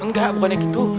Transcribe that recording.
enggak bukannya gitu